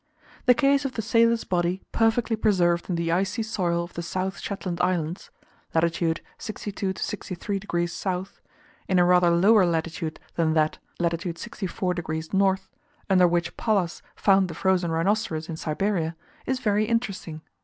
The case of the sailor's body perfectly preserved in the icy soil of the South Shetland Islands (lat. 62 to 63 degs. S.), in a rather lower latitude than that (lat. 64 degs. N.) under which Pallas found the frozen rhinoceros in Siberia, is very interesting.